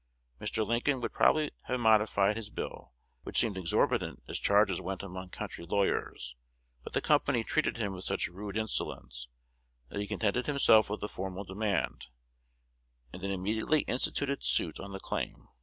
Mr. Lincoln would probably have modified his bill, which seemed exorbitant as charges went among country lawyers, but the company treated him with such rude insolence, that he contented himself with a formal demand, and then immediately instituted suit on the claim.